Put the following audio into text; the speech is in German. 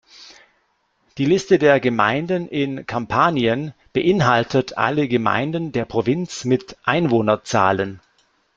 Die Liste der Gemeinden in Kampanien beinhaltet alle Gemeinden der Provinz mit Einwohnerzahlen.